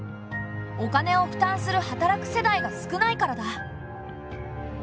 お金を負担する働く世代が少ないからだ。